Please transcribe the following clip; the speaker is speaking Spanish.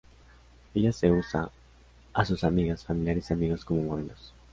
Ella se usa a sus amigas, familiares y amigos como modelos.